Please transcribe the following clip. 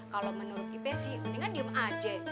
kalo menurut ipe sih mendingan diam aja